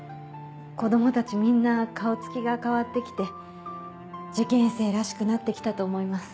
子供たちみんな顔つきが変わって来て受験生らしくなって来たと思います。